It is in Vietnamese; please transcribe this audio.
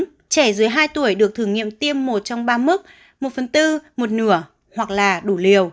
trẻ dưới hai tuổi được thử nghiệm tiêm một trong ba mức một phần tư một nửa hoặc là đủ liều